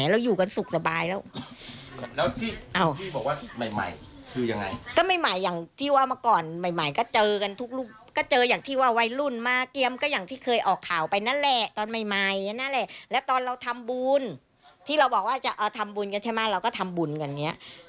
เราทำบุญที่เราบอกว่าจะทำบุญกันใช่ไหมเราก็ทำบุญกันอย่างนี้